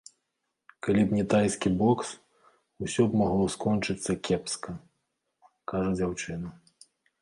Калі б не тайскі бокс, усё магло б скончыцца кепска, кажа дзяўчына.